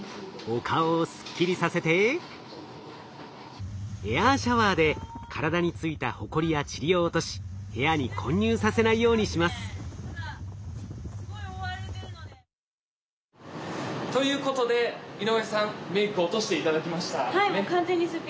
お顔をすっきりさせてエアーシャワーで体についたホコリやチリを落とし部屋に混入させないようにします。ということで井上さんメイク落として頂きました。